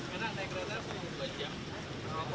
di tempat yang asli di jemaah